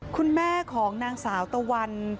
คุณแม่ของนางสาวตะวัน